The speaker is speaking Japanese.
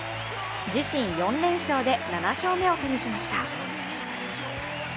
自身４連勝で７勝目を手にしました。